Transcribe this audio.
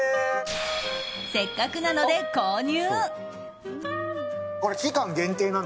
せっかくなので購入。